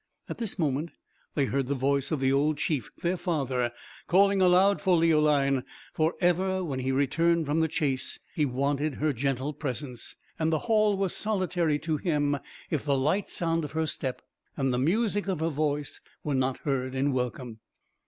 At this moment, they heard the voice of the old chief, their father, calling aloud for Leoline; for ever, when he returned from the chase, he wanted her gentle presence; and the hall was solitary to him if the light sound of her step, and the music of her voice, were not heard in welcome.